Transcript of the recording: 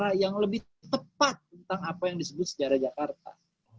cara yang lebih tepat tentang apa yang disebut sejarah jakarta